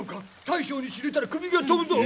大将に知れたら首が飛ぶぞ。